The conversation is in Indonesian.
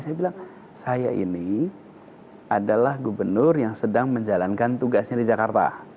saya bilang saya ini adalah gubernur yang sedang menjalankan tugasnya di jakarta